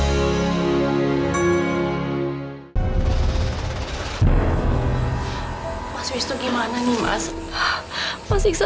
sampai jumpa di video selanjutnya